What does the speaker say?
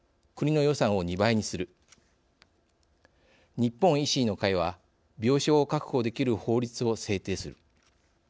日本維新の会は病床を確保できる法律を制定する。